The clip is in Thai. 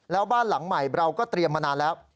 แล้วบ้านหลังใหม่เราก็เตรียมมานานแล้ว